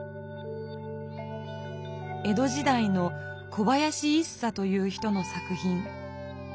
江戸時代の小林一茶という人の作ひん。